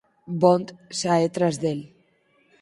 Bond sae tras del.